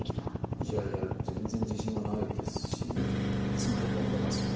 いやいや全然自信はないですしいっつもへこんでますよね。